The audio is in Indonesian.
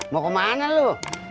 mau kemana lu